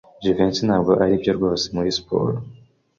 Jivency ntabwo aribyo rwose muri siporo.